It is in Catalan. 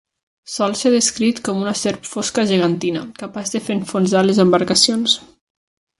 Sol ser descrit com una serp fosca gegantina, capaç de fer enfonsar les embarcacions.